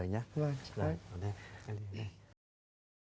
vâng chào anh